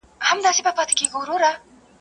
o چي هلکه وه لا گوزکه وه.